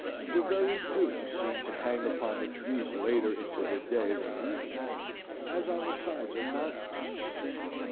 The very dew seemed to hang upon the trees later into the day than usual, as on the sides of mountains.